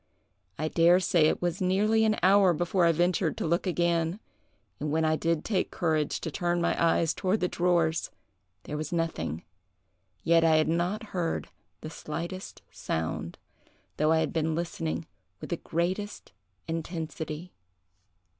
I dare say it was nearly an hour before I ventured to look again, and when I did take courage to turn my eyes toward the drawers, there was nothing; yet I had not heard the slightest sound, though I had been listening with the greatest intensity.